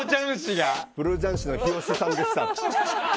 プロ雀士の日吉さんでしたって。